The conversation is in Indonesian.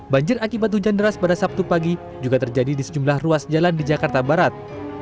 banjir akibat hujan deras pada sabtu pagi juga terjadi di sejumlah ruas jalan di jakarta barat